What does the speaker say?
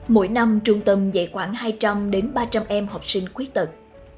mỗi năm trung tâm dạy khoảng hai trăm linh đến ba trăm linh em học sinh khuyết tật